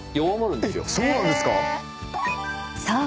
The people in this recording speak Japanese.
［そう。